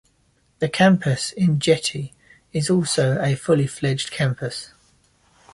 The campus in Jette is also a fully-fledged campus.